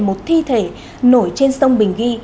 một thi thể nổi trên sông bình ghi